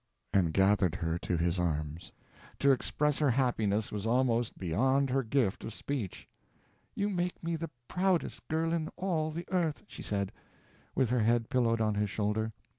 and gathered her to his arms. To express her happiness was almost beyond her gift of speech. "You make me the proudest girl in all the earth," she said, with her head pillowed on his shoulder.